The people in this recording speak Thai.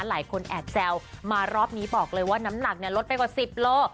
หลายคนแอบแซวมารอบนี้บอกเลยว่าน้ำหนักลดไปกว่า๑๐โล